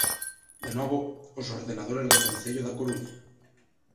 De novo, os ordenadores do Concello da Coruña.